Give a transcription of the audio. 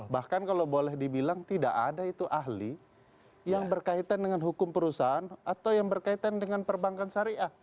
bahkan kalau boleh dibilang tidak ada itu ahli yang berkaitan dengan hukum perusahaan atau yang berkaitan dengan perbankan syariah